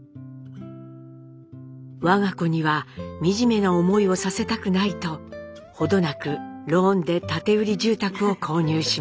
我が子には惨めな思いをさせたくないと程なくローンで建て売り住宅を購入します。